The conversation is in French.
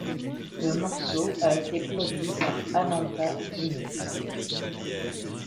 Le morceau a été produit par Ananta Vinnie.